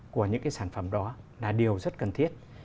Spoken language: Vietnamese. của những cái sản phẩm đó là điều rất cần thiết